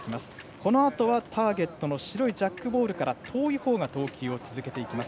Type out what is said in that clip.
このあとはターゲットの白いジャックボールから遠いほうが投球を続けます。